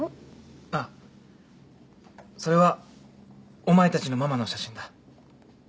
ああそれはお前たちのママの写真だ。